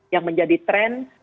yang menjadi trend